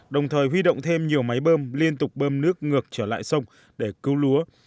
đồng thời huy động thêm nhiều máy bơm liên tục bơm nước ngược trở lại sông để cứu lúa